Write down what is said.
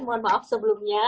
mohon maaf sebelumnya